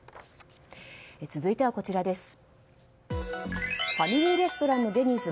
続いてはこちらです。